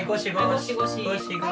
ゴシゴシ。